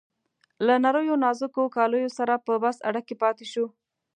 له نریو نازکو کالیو سره په بس اډه کې پاتې شو.